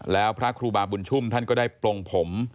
แล้วพระครูบาบุญชุ่มท่านก็ได้ปลงผม